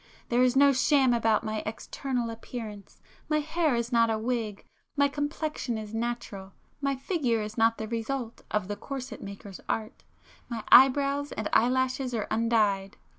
There is no sham about my external appearance; my hair is not a wig,—my complexion is natural,—my figure is not the result of the corset maker's art,—my eyebrows and eyelashes are undyed.